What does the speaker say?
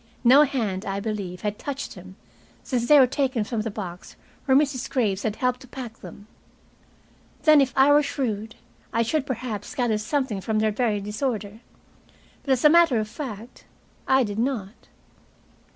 No hand, I believe, had touched them since they were taken from the box where Mrs. Graves had helped to pack them. Then, if I were shrewd, I should perhaps gather something from their very disorder, But, as a matter of fact, I did not.